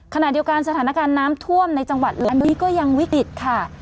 ขณะเดียวกันสถานการณ์น้ำท่วมในจังหวัดลำนี้ก็ยังวิกฤตค่ะ